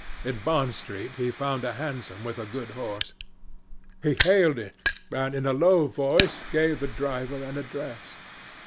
In Bond Street he found a hansom with a good horse. He hailed it and in a low voice gave the driver an address.